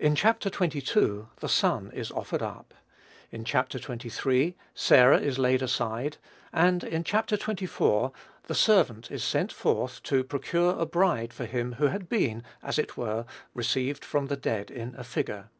In Chapter xxii. the son is offered up; in Chap. xxiii. Sarah is laid aside; and in Chapter xxiv. the servant is sent forth to procure a bride for him who had been, as it were, received from the dead in a figure.